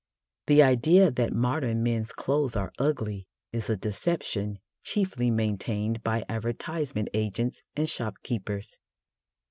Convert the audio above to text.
The idea that modern men's clothes are ugly is a deception chiefly maintained by advertisement agents and shopkeepers.